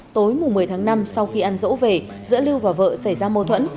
tối một mươi tháng năm sau khi ăn dỗ về giữa lưu và vợ xảy ra mô thuẫn